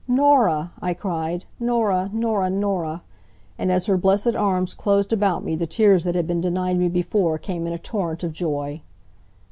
"Norah!" I cried, "Norah! Norah! Norah!" And as her blessed arms closed about me the tears that had been denied me before came in a torrent of joy.